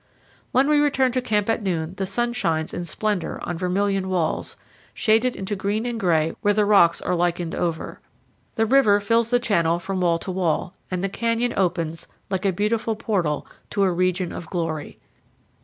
When we return to camp at noon the sun shines in splendor on vermilion walls, shaded into green and gray where the rocks are lichened over; the river fills the channel from wall to wall, and the canyon opens, like a beautiful portal, to a region of glory.